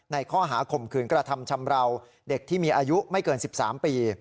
ข้อหาข่มขืนกระทำชำราวเด็กที่มีอายุไม่เกิน๑๓ปี